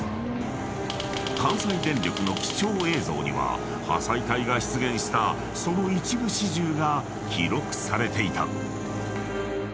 ［関西電力の貴重映像には破砕帯が出現したその一部始終が記録されていた］